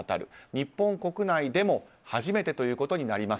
日本国内でも初めてということになります。